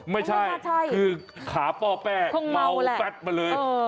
ไม่ใช่คือขาป้อแป้เมาแฟดมาเลย